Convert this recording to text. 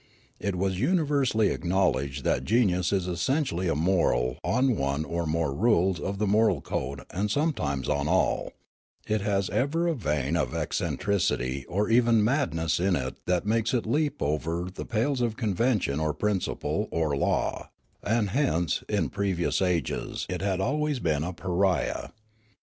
It was universally acknowledged that genius is essentiallj^ immoral on one or more rules of the moral code and sometimes on all ; it has ever a vein of eccentricity or even madness in it that makes it leap over the pales of convention or principle or law ; and hence in previous ages it had always been a pariah.